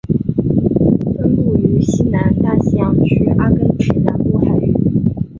分布于西南大西洋区阿根廷南部海域。